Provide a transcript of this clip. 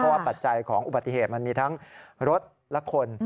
เพราะว่าปรัจจัยของอุปติเหตุมันมีทั้งรถและคน